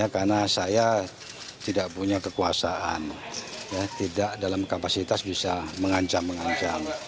karena saya tidak punya kekuasaan tidak dalam kapasitas bisa mengancam mengancam